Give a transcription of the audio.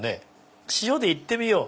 塩で行ってみよう。